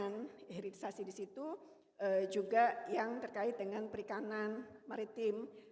dan perkembangan hilirisasi di situ juga yang terkait dengan perikanan maritim